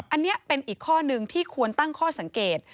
อันนี้เป็นอีกข้อหนึ่งที่ควรตั้งข้อสังเกต